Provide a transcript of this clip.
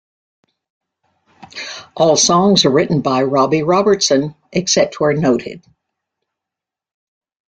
All songs are written by Robbie Robertson, except where noted.